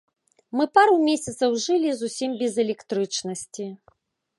Мы пару месяцаў жылі зусім без электрычнасці!